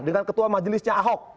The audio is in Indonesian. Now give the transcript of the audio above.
dengan ketua majelisnya ahok